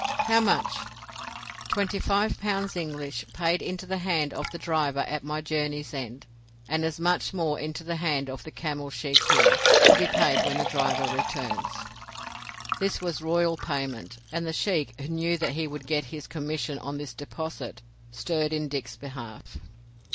"How much?" "Twenty five pounds English paid into the hand of the driver at my journey's end, and as much more into the hand of the camel sheik here, to be paid when the driver returns." This was royal payment, and the sheik, who knew that he would get his commission on this deposit, stirred in Dick's behalf.